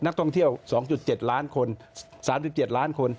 นักท่องเที่ยว๒๗ล้านคน๓๗ล้านคน